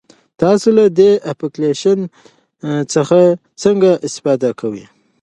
تاسو له دې اپلیکیشن څخه څنګه استفاده کوئ؟